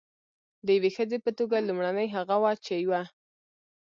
د یوې ښځې په توګه لومړنۍ هغه وه چې یوه.